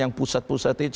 yang pusat pusat itu